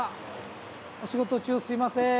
お仕事中すいません。